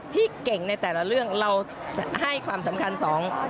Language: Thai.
ที่เก่งในแต่ละเรื่องเราให้ความสำคัญสอง